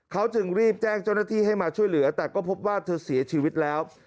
เขาจึงรีบแจ้งเจ้าหน้าที่ให้มาช่วยเหลือแต่ก็พบว่าเธอเสียชีวิตแล้ว